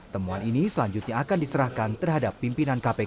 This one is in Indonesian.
temuan ini selanjutnya akan diserahkan terhadap pimpinan kpk